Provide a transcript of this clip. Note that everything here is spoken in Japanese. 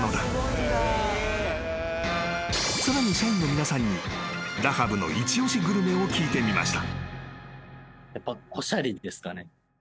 ［さらに社員の皆さんにダハブの一押しグルメを聞いてみました］